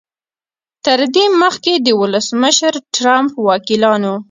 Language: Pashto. تر دې مخکې د ولسمشر ټرمپ وکیلانو